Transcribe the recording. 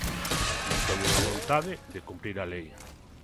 Non teñen a vontade de cumprir a lei.